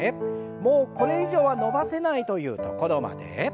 もうこれ以上は伸ばせないというところまで。